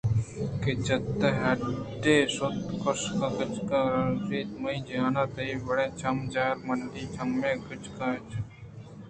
کہ چِت ئے ہڈّئے ءُ شتّ کشّان ءَ کُچک ءَ را گوٛشت ئے من جہان ءَ تئی وڑیں چم جہل ءُ مِنڈی چمیّں کُچک ہچ جاگہ ءَ نہ دیست